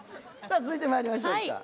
続いてまいりましょうか。